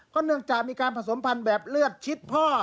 เนื่องจากมีการผสมพันธุ์แบบเลือดชิดพ่อ